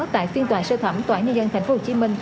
tại phiên tòa sơ thẩm tòa án nhân dân tp hcm